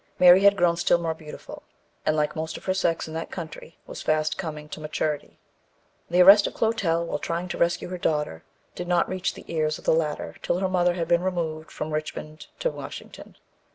Mary had grown still more beautiful, and, like most of her sex in that country, was fast coming to maturity. The arrest of Clotel, while trying to rescue her daughter, did not reach the ears of the latter till her mother had been removed from Richmond to Washington.